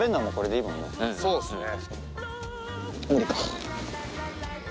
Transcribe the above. そうですね。